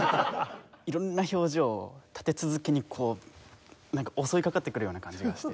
色んな表情を立て続けにこう襲いかかってくるような感じがして。